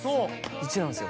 １なんすよ